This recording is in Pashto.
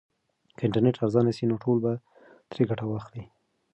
که انټرنیټ ارزانه سي نو ټول به ترې ګټه واخلي.